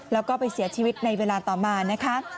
แล้วก็ไปเสียชีวิตในเวลาต่อมานะคะ